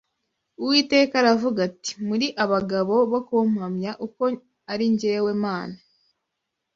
Uwiteka aravuga ati: Muri abagabo bo kumpamya, ko ari jyewe Mana